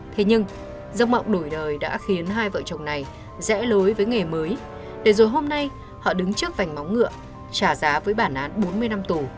thế nhưng giấc mộng đổi đời đã khiến hai vợ chồng này rẽ lối với nghề mới để rồi hôm nay họ đứng trước vảnh móng ngựa trả giá với bản án bốn mươi năm tù